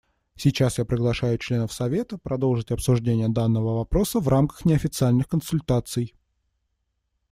Сейчас я приглашаю членов Совета продолжить обсуждение данного вопроса в рамках неофициальных консультаций.